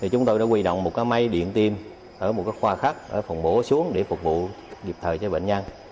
chúng tôi đã quy động một máy điện tim ở một khoa khắc phòng bổ xuống để phục vụ kịp thời cho bệnh nhân